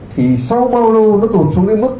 thì sau bao lâu nó tụt xuống đến mức